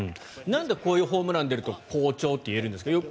なんでこういうホームランが出ると好調といえるんですか？